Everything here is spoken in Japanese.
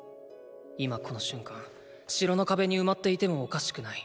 今この瞬間城の壁に埋まっていてもおかしくない。